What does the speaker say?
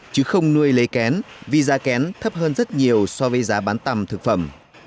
chứ không nuôi lấy kén vì giá kén thấp hơn rất nhiều so với giá bán tằm thực phẩm